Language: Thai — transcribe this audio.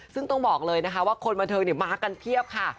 ซึ่งต้องบอกเลยนะคะว่าคนบันเทิงมากันเพียบค่ะ